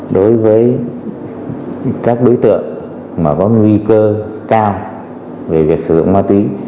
đối với các đối tượng mà có nguy cơ cao về việc sử dụng ma túy